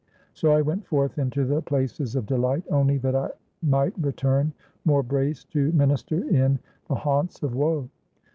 So I went forth into the places of delight, only that I might return more braced to minister in the haunts of woe.